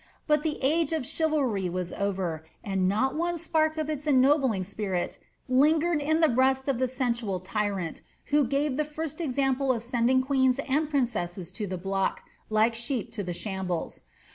But the age of chivalry was over, and not one spark of its ennobling spirit lingered in the bretst of the sensual tyrant who gave the first example of sending queens and princesses to the block, like sheep to the shambles.